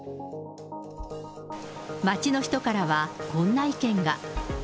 街の人からはこんな意見が。